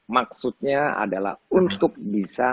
maksudnya adalah untuk bisa